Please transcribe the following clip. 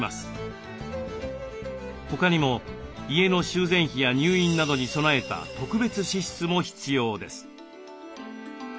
他にも家の修繕費や入院などに備えた特別支出も必要です。